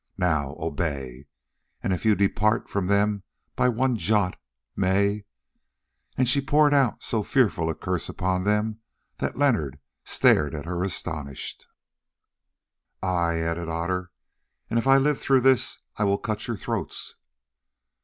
Now, obey. And if you depart from them by one jot, may——" and she poured out so fearful a curse upon them that Leonard stared at her astonished. "Ay!" added Otter, "and if I live through this I will cut your throats."